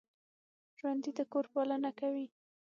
ژوندي د کور پالنه کوي